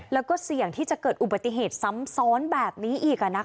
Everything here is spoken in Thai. แล้วก็เสี่ยงที่จะเกิดอุบัติเหตุซ้ำซ้อนแบบนี้อีก